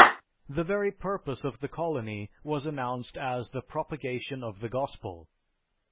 "The very purpose of the Colony was announced as the propagation of the Gospel.